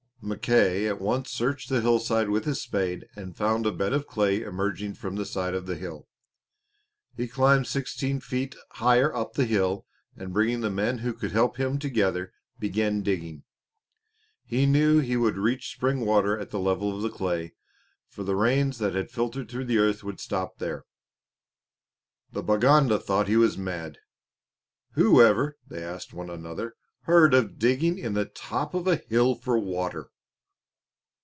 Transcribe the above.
Mackay at once searched the hill side with his spade and found a bed of clay emerging from the side of the hill. He climbed sixteen feet higher up the hill and, bringing the men who could help him together, began digging. He knew that he would reach spring water at the level of the clay, for the rains that had filtered through the earth would stop there. The Baganda thought that he was mad. "Whoever," they asked one another, "heard of digging in the top of a hill for water?"